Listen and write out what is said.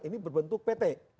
ini berbentuk pt